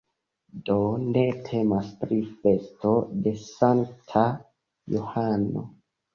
Do ne temas pri festo de Sankta Johano.